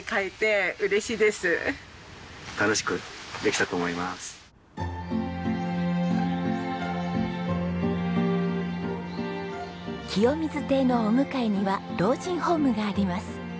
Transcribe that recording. きよみず邸のお向かいには老人ホームがあります。